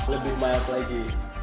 lebih mild lagi